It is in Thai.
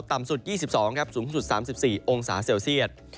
ต่ำสุด๒๒องศาเซียตสูงสุด๓๔องศาเซียต